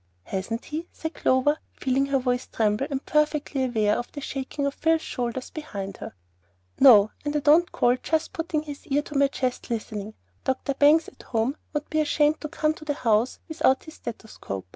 "Hasn't he?" said Clover, feeling her voice tremble, and perfectly aware of the shaking of Phil's shoulders behind her. "No; and I don't call just putting his ear to my chest, listening. Dr. Bangs, at home, would be ashamed to come to the house without his stethoscope.